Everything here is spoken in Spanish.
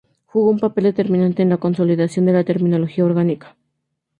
Jugó un papel determinante en la consolidación de la terminología orgánica.